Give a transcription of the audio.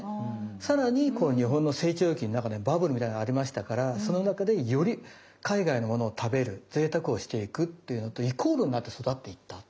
さらに日本の成長期の中でバブルみたいのありましたからその中でより海外のものを食べるぜいたくをしていくっていうのとイコールになって育っていった。